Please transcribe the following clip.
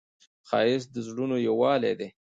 ښایست د زړونو یووالی دی